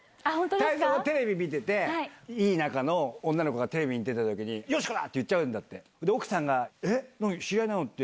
泰造、テレビ見てて、いい仲の女の子がテレビに出たときに、よしこだって言っちゃうんだって。